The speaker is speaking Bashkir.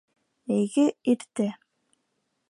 Йәйге иртә.